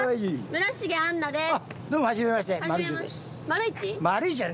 村重杏奈です。